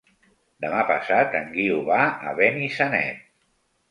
Demà passat en Guiu va a Benissanet.